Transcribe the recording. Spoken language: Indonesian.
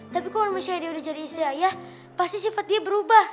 tapi kalau misalnya dia udah jadi istri ayah pasti sifat dia berubah